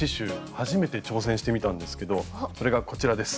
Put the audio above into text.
初めて挑戦してみたんですけどそれがこちらです。